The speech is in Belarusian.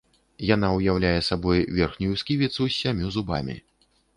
Яна ўяўляе сабой верхнюю сківіцу з сямю зубамі.